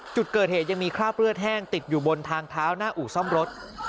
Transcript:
จุดเกิดเหตุยังมีคราบเลือดแห้งติดอยู่บนทางเท้าหน้าอู่ซ่อมรถ